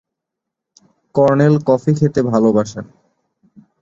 Colonel coffee খেতে ভালবাসেন।